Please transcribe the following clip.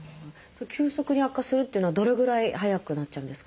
急速に悪化するっていうのはどれぐらい早くなっちゃうんですか？